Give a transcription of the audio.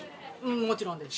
もちろんです。